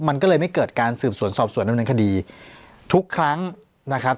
มันก็เลยไม่เกิดการสืบสวนสอบสวนดำเนินคดีทุกครั้งนะครับ